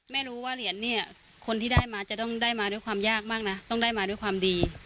ไม่รู้ว่าเหรียญเนี่ยคนที่ได้มาจะต้องได้มาด้วยความยากมากนะต้องได้มาด้วยความดี